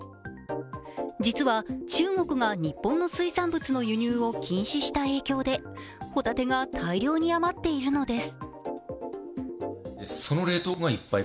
実は中国が日本の水産物の輸入を禁止した影響でほたてが大量に余っているのです。